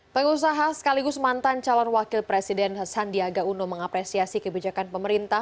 pengusaha sekaligus mantan calon wakil presiden sandiaga uno mengapresiasi kebijakan pemerintah